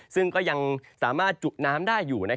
ซึ่งก็ยังสามารถจุน้ำได้อยู่